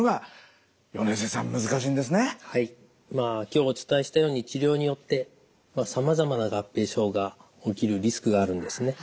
今日お伝えしたように治療によってさまざまな合併症が起きるリスクがあるんですね。